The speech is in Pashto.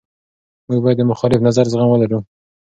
موږ باید د مخالف نظر زغم ولرو.